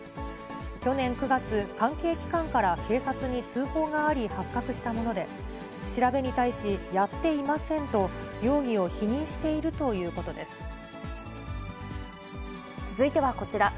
去年９月、関係機関から警察に通報があり、発覚したもので、調べに対しやっていませんと、容疑を否認しているということで続いてはこちら。